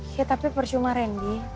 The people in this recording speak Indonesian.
ya tapi percuma rendy